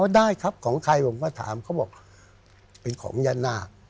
ได้ครับของใครผมก็ถามเขาบอกเป็นของย่านาค